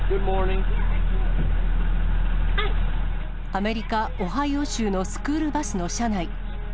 アメリカ・オハイオ州のスクールバスの車内。